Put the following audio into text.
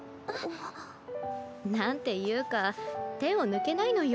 何ていうか手を抜けないのよ。